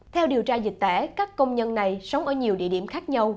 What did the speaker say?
theo điều tra dịch tễ các công nhân này sống ở nhiều địa điểm khác nhau